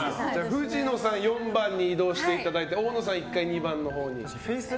藤野さんを４番に移動していただいて大野さん、２番のほうに。